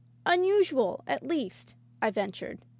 "Unusual, at least,'* I ventured.